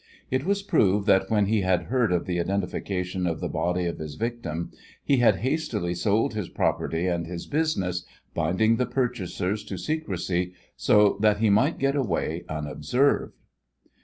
It was proved that when he had heard of the identification of the body of his victim he had hastily sold his property and his business, binding the purchasers to secrecy so that he might get away unobserved.